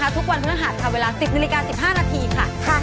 ทุกวันจังถึงวันสุด๙หมองถึง๑๐หมองตรองท่า